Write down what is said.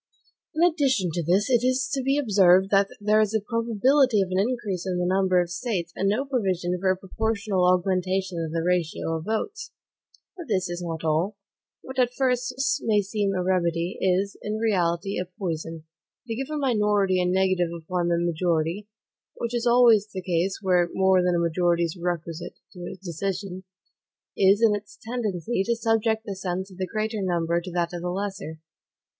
In addition to this, it is to be observed that there is a probability of an increase in the number of States, and no provision for a proportional augmentation of the ratio of votes. But this is not all: what at first sight may seem a remedy, is, in reality, a poison. To give a minority a negative upon the majority (which is always the case where more than a majority is requisite to a decision), is, in its tendency, to subject the sense of the greater number to that of the lesser.